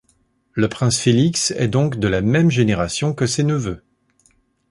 Le prince Félix est donc de la même génération que ses neveux.